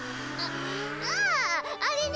あああれね。